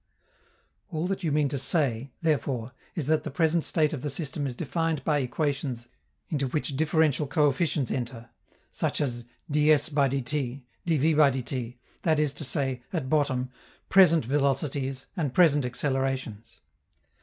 All that you mean to say, therefore, is that the present state of the system is defined by equations into which differential coefficients enter, such as _ds_|_dt_, _dv_|_dt_, that is to say, at bottom, present velocities and present accelerations.